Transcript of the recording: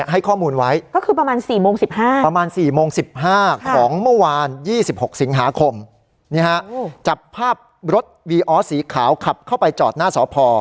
หาคมเนี้ยฮะจับภาพรถวีอ๋อสีขาวขับเข้าไปจอดหน้าสอพอ